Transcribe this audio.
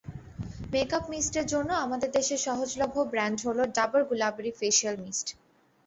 Makeup মিস্টের জন্য আমাদের দেশে সহজলভ্য ব্র্যান্ড হলো ডাবর গুলাবরি ফেসিয়াল মিস্ট।